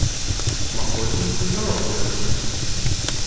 Махотин не давал веревки.